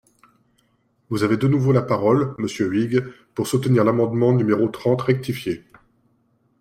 Vous avez de nouveau la parole, monsieur Huyghe, pour soutenir l’amendement numéro trente rectifié.